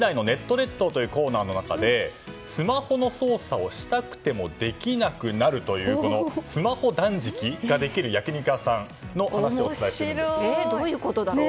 列島というコーナーの中でスマホの操作をしたくてもできなくなるというスマホ断食ができる焼き肉屋さんの話をどういうことだろう？